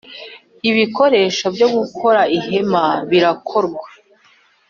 Ibikoresho byo gukora ihema birakorwa.